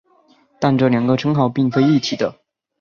但这两个称号并非一体的。